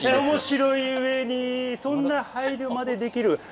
面白いうえにそんな配慮までできる。